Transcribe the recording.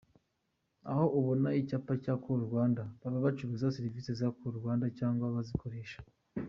Aho ubona icyapa cya Call Rwanda baba bacuruza Servisi za Call Rwanda cyangwa bazikoresha.